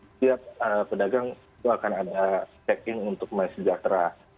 setiap pedagang itu akan ada check in untuk mysejahtera